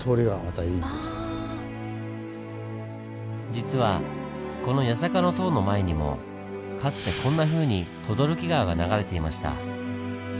実はこの八坂の塔の前にもかつてこんなふうに轟川が流れていました。